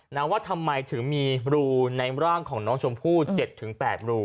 นะว่าทำไมถึงมีรูในร่างของน้องชมพู่๗๘รู